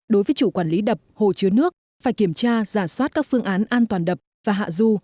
đối với chủ quản lý đập hồ chứa nước phải kiểm tra giả soát các phương án an toàn đập và hạ du